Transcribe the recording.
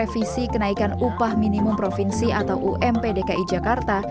pemprov dki jakarta